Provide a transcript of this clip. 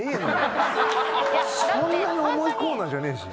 そんなに重いコーナーじゃねえし。